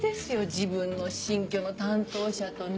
自分の新居の担当者とね。